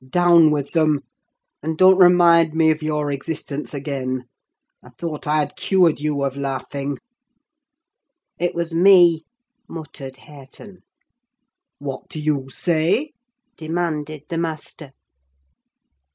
Down with them! and don't remind me of your existence again. I thought I had cured you of laughing." "It was me," muttered Hareton. "What do you say?" demanded the master.